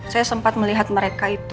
saya sempat melihat mereka itu